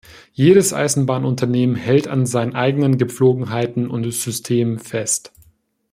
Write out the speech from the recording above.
Jedes Eisenbahnunternehmen hält an seinen eigenen Gepflogenheiten und Systemen fest.